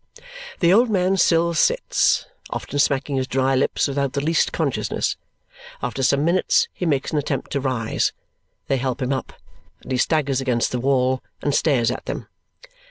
The old man still sits, often smacking his dry lips without the least consciousness. After some minutes he makes an attempt to rise. They help him up, and he staggers against the wall and stares at them.